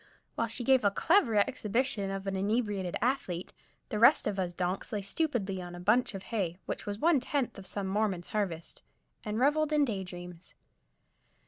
While she gave a clever exhibition of an inebriated athlete, the rest of us donks lay stupidly on a bunch of hay, which was one tenth of some Mormon's harvest, and reveled in day dreams.